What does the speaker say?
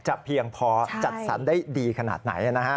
เพียงพอจัดสรรได้ดีขนาดไหน